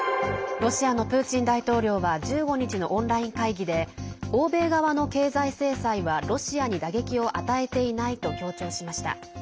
ロシアのプーチン大統領は１５日のオンライン会議で欧米側の経済制裁はロシアに打撃を与えていないと強調しました。